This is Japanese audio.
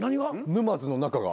沼津の中が。